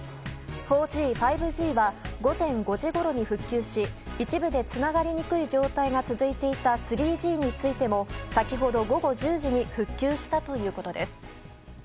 ４Ｇ、５Ｇは午前５時ごろに復旧し一部でつながりにくい状態が続いていた３Ｇについても先ほど午後１０時に復旧したということです。